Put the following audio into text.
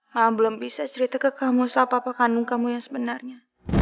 maaf belum bisa cerita ke kamu siapa apa kandung kamu yang sebenarnya